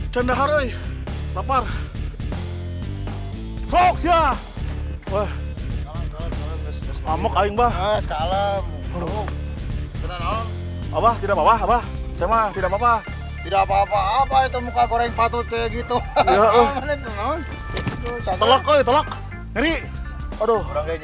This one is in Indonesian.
soksya wah kamu kain bahwa tidak apa apa tidak apa apa apa itu muka goreng patut kayak gitu